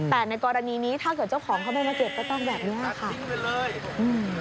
แต่ในกรณีนี้ถ้าเกิดเจ้าของเขาไม่มาเจ็บก็ต้องแบบเนี้ยค่ะอืม